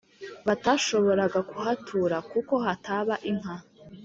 batashoboraga kuhatura, kuko hataba inka.